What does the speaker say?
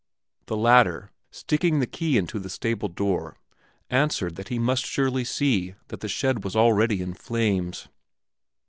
The latter, sticking the key in the stable door, answered that he surely must see that the shed was already in flames.